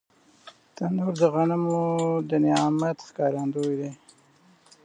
تنور د غنمو د نعمت ښکارندوی دی